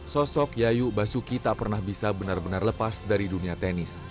sosok yayu basuki tak pernah bisa benar benar lepas dari dunia tenis